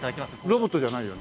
ロボットじゃないよね？